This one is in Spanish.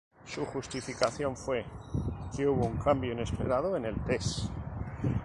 Su justificación fue "que hubo un cambio inesperado en el test...".